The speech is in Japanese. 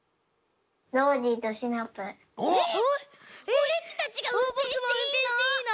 オレっちたちがうんてんしていいの？